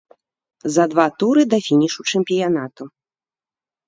За два туры да фінішу чэмпіянату.